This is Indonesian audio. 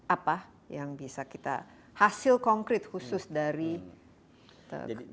apa yang bisa kita hasil konkret khusus dari